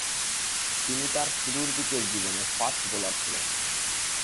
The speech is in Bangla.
তিনি তার শুরুরদিকের জীবনে ফাস্ট বোলার ছিলেন।